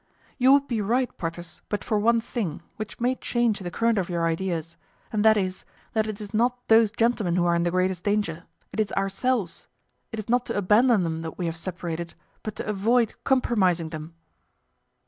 "You would be right, Porthos, but for one thing, which may change the current of your ideas; and that is, that it is not those gentlemen who are in the greatest danger, it is ourselves; it is not to abandon them that we have separated, but to avoid compromising them."